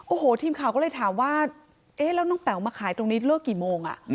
โอ้โหทีมข่าวก็เลยถามว่าเอ๊ะแล้วน้องแป๋วมาขายตรงนี้เลิกกี่โมง